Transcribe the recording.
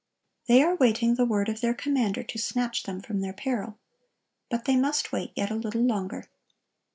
They are waiting the word of their Commander to snatch them from their peril. But they must wait yet a little longer.